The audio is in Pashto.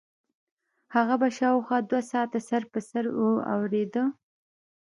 هغه به شاوخوا دوه ساعته سر په سر اورېده.